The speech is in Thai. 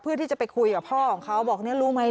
เพื่อที่จะไปคุยกับพ่อของเขาบอกเนี่ยรู้ไหม